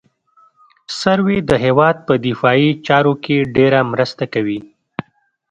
سروې د هېواد په دفاعي چارو کې ډېره مرسته کوي